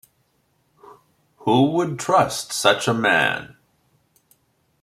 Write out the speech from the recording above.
Who would trust such a man?